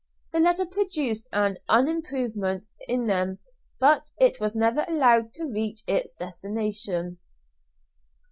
The letter produced an improvement in them, but it was never allowed to reach its destination.